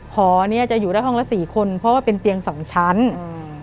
หอเนี้ยจะอยู่ได้ห้องละสี่คนเพราะว่าเป็นเตียงสองชั้นอืม